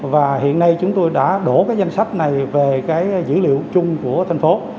và hiện nay chúng tôi đã đổ cái danh sách này về cái dữ liệu chung của thành phố